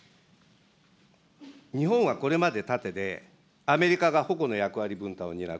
日本はこれまで盾でアメリカがほこの役割分担を担う。